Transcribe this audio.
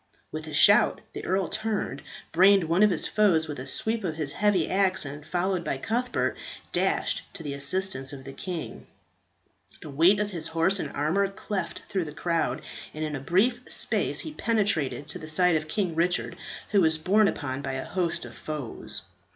With a shout the earl turned, brained one of his foes with a sweep of his heavy axe, and, followed by Cuthbert, dashed to the assistance of the king. The weight of his horse and armour cleft through the crowd, and in a brief space he penetrated to the side of King Richard, who was borne upon by a host of foes.